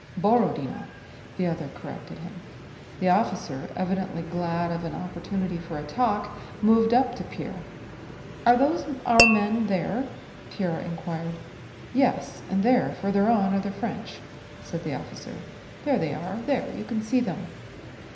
"Borodinó," the other corrected him. The officer, evidently glad of an opportunity for a talk, moved up to Pierre. "Are those our men there?" Pierre inquired. "Yes, and there, further on, are the French," said the officer. "There they are, there... you can see them."